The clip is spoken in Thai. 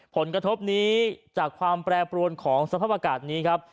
ผลกระทบนี้จากความแปรปรวนของสภาพอากาศนี้ครับ